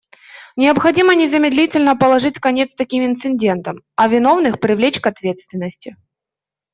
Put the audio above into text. Необходимо незамедлительно положить конец таким инцидентам, а виновных привлечь к ответственности.